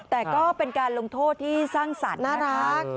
แต่ก็เป็นการลงโทษที่สร้างสารน่ารัก